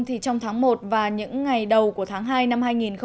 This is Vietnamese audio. trong tháng một và những ngày đầu của tháng hai năm hai nghìn một mươi bảy